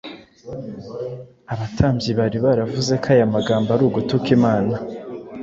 Abatambyi bari baravuze ko aya magambo ari ugutuka Imana,